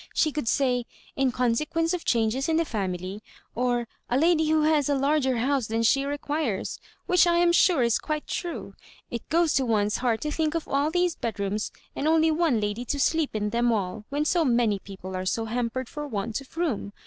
She could say, ' In consequence of changes in the family,' or, * A lady who has a larger house than she requires:' which I am sure is quite true. It goes to one's heart to thmk of all these bedrooms and only one lady to sleep in them aU — when so many people are so hampered for want of room.